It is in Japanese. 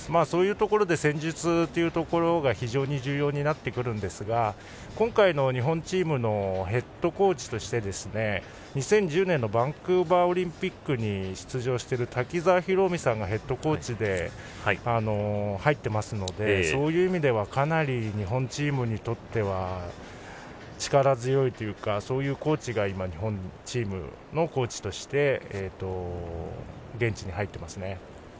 そういうところで戦術というところが非常に重要になってくるんですが今回の日本チームのヘッドコーチとして２０１０年のバンクーバーオリンピックに出場している瀧澤宏臣さんがヘッドコーチで入っていますのでそういう意味ではかなり日本チームにとっては力強いというかそういうコーチが日本チームのコーチとして現地に入っていますね。